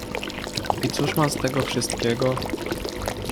"I cóż mam z tego wszystkiego?"